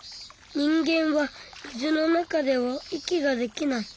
人間は水の中では息ができない。